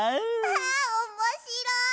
あおもしろい！